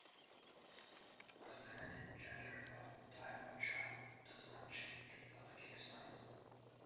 The feminine gender of "die Wachau" does not change, though the case might.